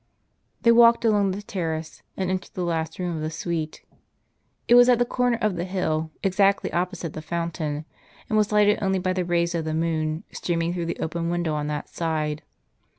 They walked along the terrace, and entered the last room of the suite. It was at the corner of the hill, exactly opposite the fountain ; and was lighted only by the rays of the moon, streaming through the open window on that side.